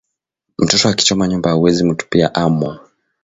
Mtoto akichoma nyumba auwezi mutupia amo